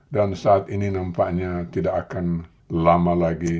dan saat ini nampaknya tidak akan lama lagi